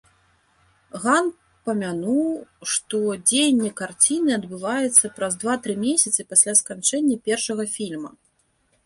Ган памянуў, што дзеянне карціны адбываецца праз два-тры месяцы пасля сканчэння першага фільма.